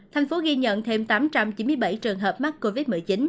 thành phố ghi nhận thêm tám trăm chín mươi bảy trường hợp mắc covid một mươi chín